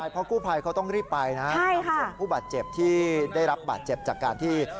เพราะกู้ภัยเขาต้องรีบไปนะส่วนผู้บาดเจ็บที่ได้รับบาดเจ็บจากการที่